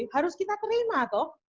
harus kita terima toh